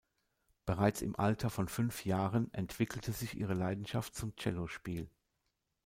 Bereits im Alter von fünf Jahren entwickelte sich ihre Leidenschaft zum Cellospiel.